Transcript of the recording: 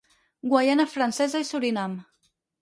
Guaiana Francesa i Surinam.